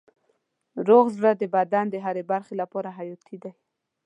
روغ زړه د بدن د هرې برخې لپاره حیاتي دی.